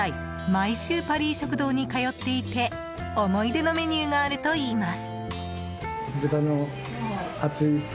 毎週、パリー食堂に通っていて思い出のメニューがあるといいます。